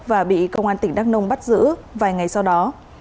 và bị công an tỉnh đắk nông bắt giữ vài ngày sau đó